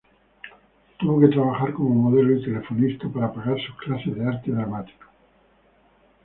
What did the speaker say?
Tuvo que trabajar como modelo y telefonista para pagar sus clases de arte dramático.